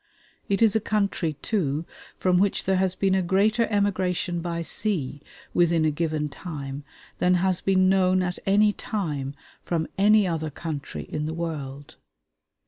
It is a country, too, from which there has been a greater emigration by sea within a given time than has been known at any time from any other country in the world.